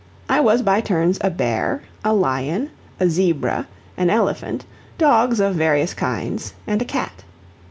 I was by turns a bear, a lion, a zebra, an elephant, dogs of various kinds, and a cat.